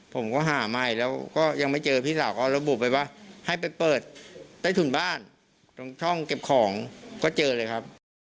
ผมก็หาใหม่แล้วก็ยังไม่เจอพี่สาวก็ระบุไปว่าให้ไปเปิดใต้ถุนบ้านตรงช่องเก็บของก็เจอเลยครับ